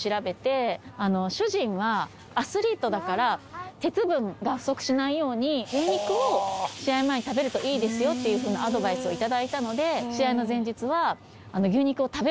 主人はアスリートだから鉄分が不足しないように牛肉を試合前に食べるといいですよっていうふうなアドバイスを頂いたので試合の前日は牛肉を食べるっていう事にしたんですよ。